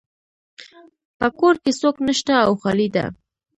په کور کې څوک نشته او خالی ده